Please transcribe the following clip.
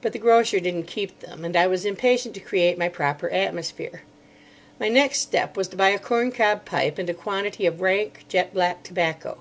But the grocer didn't keep them, and I was impatient to create my proper atmosphere. My next step was to buy a corncob pipe and a quantity of rank, jet black tobacco.